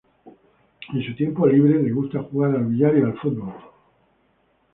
En su tiempo libre, le gusta jugar al billar y fútbol.